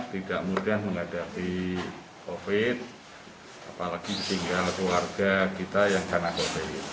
tidak mudah menghadapi covid sembilan belas apalagi tinggal keluarga kita yang karena covid sembilan belas